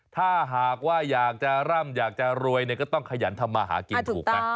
ถ้าหากว่าอยากจะร่ำอยากจะรวยก็ต้องขยันทำมาหากินถูกไหม